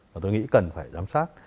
và tôi nghĩ cần phải giám sát